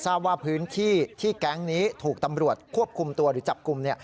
ทราบว่าพื้นที่ที่แก๊งนี้ถูกตำรวจควบคุมตัวหรือจับกลุ่ม